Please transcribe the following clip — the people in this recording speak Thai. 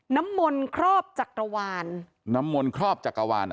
น้ำมนต์ครอบจักรวาลน้ำมนต์ครอบจักรวาลอ่ะ